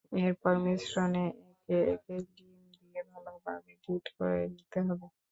এরপর মিশ্রণে একে একে ডিম দিয়ে ভালোভাবে বিট করে নিতে হবে।